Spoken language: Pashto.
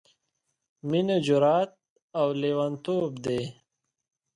— مينه جرات او لېوانتوب دی...